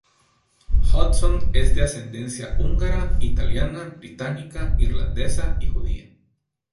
Hudson es de ascendencia húngara, italiana, británica, irlandesa y judía.